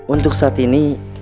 untuk saat ini